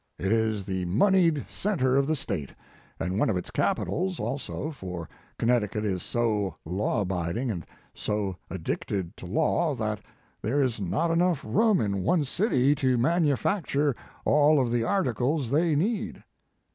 It is the moneyed center of the State; and one of its capitals, also, for Connecticut is so law abiding, and so addicted to law, that there is not room enough in one city to manufacture all of the articles they need.